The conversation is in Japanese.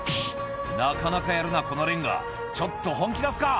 「なかなかやるなこのレンガちょっと本気出すか」